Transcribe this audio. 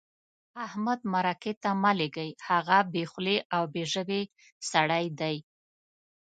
احمد مرکې ته مه لېږئ؛ هغه بې خولې او بې ژبې سړی دی.